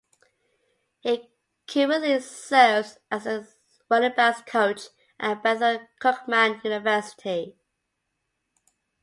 He currently serves as the running backs coach at Bethune Cookman University.